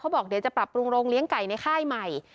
บอกเดี๋ยวจะปรับปรุงโรงเลี้ยงไก่ในค่ายใหม่